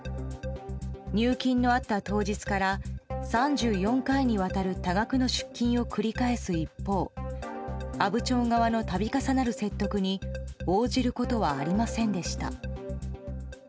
入金のあった当日から３４回にわたる多額の出金を繰り返す一方阿武町側の度重なる説得に応じることはありませんでした。